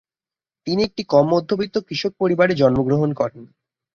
তিনি একটি কম-মধ্যবিত্ত কৃষক পরিবারে জন্মগ্রহণ করেন।